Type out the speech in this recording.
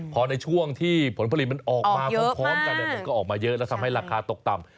พอในช่วงที่ผลผลิตมันออกมาพร้อมกันมันก็ออกมาเยอะแล้วทำให้ราคาตกต่ำ